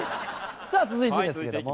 さあ続いてですけども。